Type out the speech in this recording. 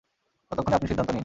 ততক্ষণে আপনি সিদ্ধান্ত নিন।